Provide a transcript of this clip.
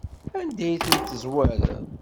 Anda ay tent-tezwarem?